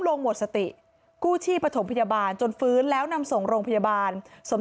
ลงหมดสติกู้ชีพประถมพยาบาลจนฟื้นแล้วนำส่งโรงพยาบาลสม